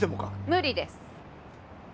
無理です。